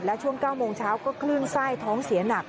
และช่วง๙โมงเช้าก็คลื่นไส้ท้องเสียหนัก